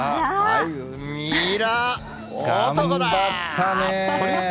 ミイラ男だ！